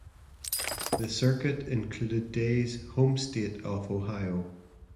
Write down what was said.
The Circuit included Day's home state of Ohio.